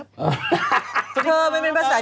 คุณหมอโดนกระช่าคุณหมอโดนกระช่า